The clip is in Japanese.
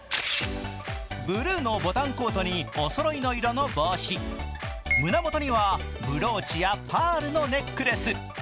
ブルーのボタンコートにおそろいの色の帽子胸元にはブローチやパールのネックレス。